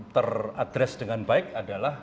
teradres dengan baik adalah